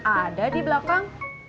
ada di belakang